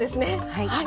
はい。